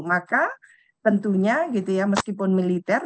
maka tentunya gitu ya meskipun militer